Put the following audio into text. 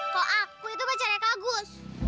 kok aku itu pacarnya kak agus